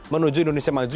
menuju indonesia maju